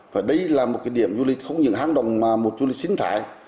và đây là một cái điểm du lịch không những hang động mà một du lịch sinh thái